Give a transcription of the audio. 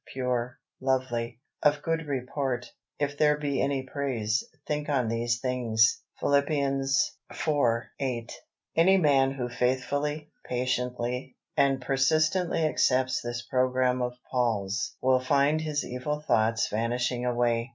pure,... lovely,... of good report;... if there be any praise, think on these things" (Phil. iv. 8). Any man who faithfully, patiently, and persistently accepts this programme of Paul's will find his evil thoughts vanishing away.